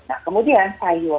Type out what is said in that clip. nah kemudian sayur